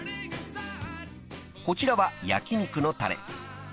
［こちらは焼肉のたれ］